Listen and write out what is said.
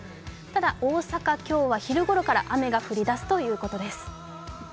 ただ、大阪、今日は昼頃から雨が降りだすということです。